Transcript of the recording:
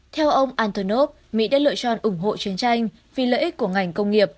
theo ông antonov mỹ đã lựa chọn ủng hộ chiến tranh vì lợi ích của ngành công nghiệp